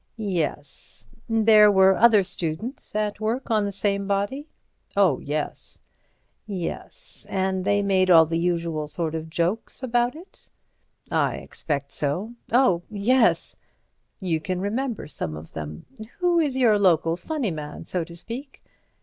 "Yes. There were other students at work on the same body." "Oh, yes." "Yes. And they made all the usual sort of jokes about it." "I expect so—oh, yes!" "You can remember some of them. Who is your local funny man, so to speak?"